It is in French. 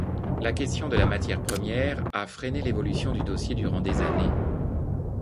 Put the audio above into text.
La question de la matière première a freiné l’évolution du dossier durant des années.